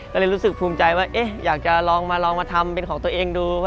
ก็เลยรู้สึกภูมิใจว่าอยากจะลองมาลองมาทำเป็นของตัวเองดู